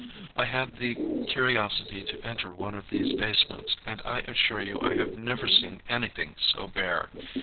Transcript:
I had the curiosity to enter one of these base ments, and I assure you I have never seen anything so bare.